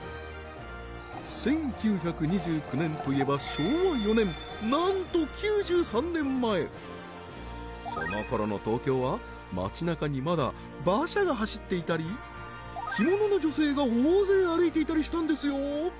１９２９年といえば昭和４年なんと９３年前そのころの東京は街なかにまだ馬車が走っていたり着物の女性が大勢歩いていたりしたんですよ